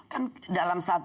kan dalam saat